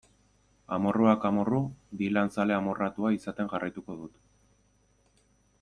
Amorruak amorru, Dylan zale amorratua izaten jarraituko dut.